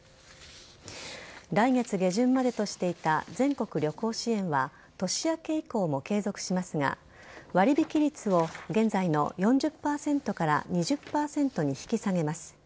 来月下旬までとしていた全国旅行支援は年明け以降も継続しますが割引率を現在の４０％から２０％に引き下げます。